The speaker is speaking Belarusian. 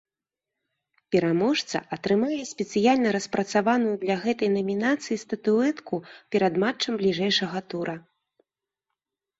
Пераможца атрымае спецыяльна распрацаваную для гэтай намінацыі статуэтку перад матчам бліжэйшага тура.